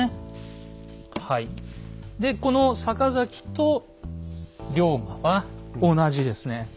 でこの坂崎と龍馬は同じですね